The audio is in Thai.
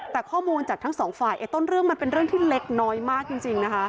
แต่ข้อมูลจากทั้งสองฝ่ายต้นเรื่องมันเป็นเรื่องที่เล็กน้อยมากจริงนะคะ